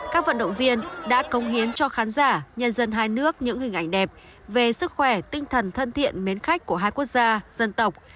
các vận động viên đã công hiến cho khán giả nhân dân hai nước những hình ảnh đẹp về sức khỏe tinh thần thân thiện mến khách của hai quốc gia dân tộc